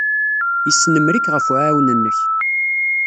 Yesnemmer-ik ɣef uɛawen-nnek.